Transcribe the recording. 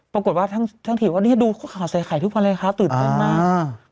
ปรากฏว่าท่างทีว่าเนี่ยดูข้าวใส่ไข่ทุกวันเลยค้าตื่นมาก